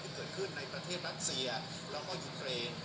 เกิดขึ้นในประเทศรัสเซียแล้วก็ยูเตร